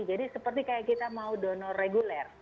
jadi seperti kita mau donor reguler